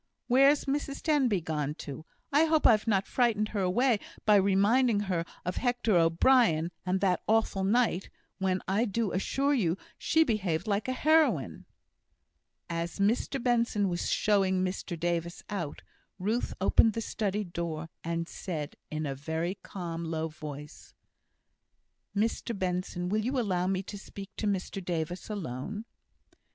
Where's Mrs Denbigh gone to? I hope I've not frightened her away by reminding her of Hector O'Brien, and that awful night, when I do assure you she behaved like a heroine!" As Mr Benson was showing Mr Davis out, Ruth opened the study door, and said, in a very calm, low voice: "Mr Benson! will you allow me to speak to Mr Davis alone?"